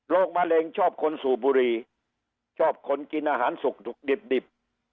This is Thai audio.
มะเร็งชอบคนสูบบุรีชอบคนกินอาหารสุกดิบ